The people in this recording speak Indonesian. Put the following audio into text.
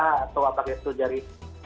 atau pakai tut jari